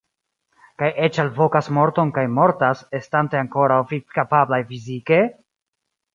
Kaj eĉ alvokas morton kaj mortas, estante ankoraŭ vivkapablaj fizike?